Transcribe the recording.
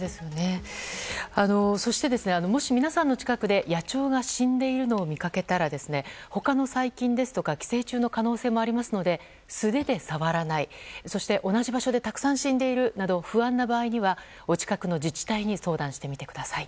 そして皆さんの近くでもし野鳥が死んでいるのを見かけたら他の細菌ですとか寄生虫の可能性もありますので素手で触らないそして同じ場所でたくさん死んでいるなど不安な場合はお近くの自治体に相談してみてください。